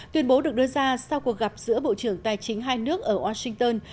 tuyên bố được đưa ra sau cuộc gặp giữa bộ trưởng tài chính hai nước ở washington